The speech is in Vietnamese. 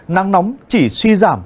nắng nóng chỉ suy giảm